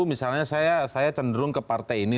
misalnya saya cenderung ke partai ini